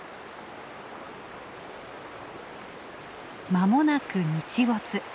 まもなく日没。